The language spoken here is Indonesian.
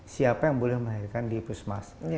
siapa yang boleh melahirkan di puskesmas